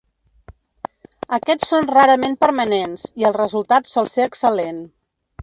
Aquests són rarament permanents, i el resultat sol ser excel·lent.